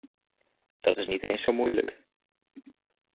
Dat is niet eens zo moeilijk.